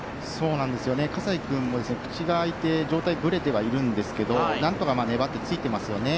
葛西君も口が開いて、上体がぶれてはいるんですけど粘ってついていますね。